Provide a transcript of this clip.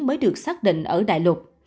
mới được xác định ở đại lục